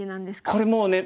これもうね。